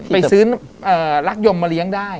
ไปซื้อรักยมมาเลี้ยงได้